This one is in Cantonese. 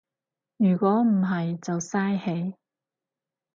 如果唔係就嘥氣